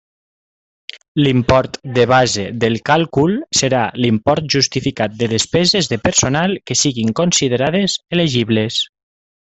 L'import de base del càlcul serà l'import justificat de despeses de personal que siguin considerades elegibles.